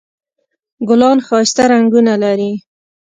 ګلان ښایسته رنګونه لري